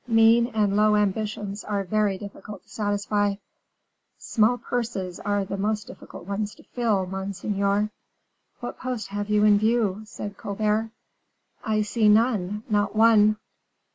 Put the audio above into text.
Mean and low ambitions are very difficult to satisfy." "Small purses are the most difficult ones to fill, monseigneur." "What post have you in view?" said Colbert. "I see none not one."